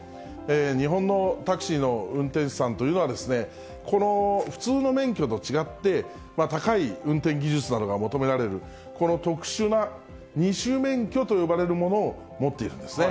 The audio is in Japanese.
日本のタクシーの運転手さんというのは、この普通の免許と違って、高い運転技術などが求められる、この特殊な二種免許と呼ばれるものを持っているんですね。